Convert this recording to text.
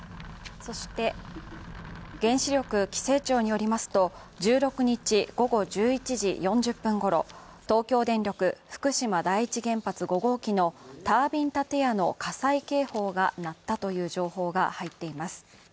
原子力規制庁によりますと１６日午後１１時４０分ごろ東京電力福島第一原発５号機のタービン建屋の火災警報が鳴ったという情報が入っています。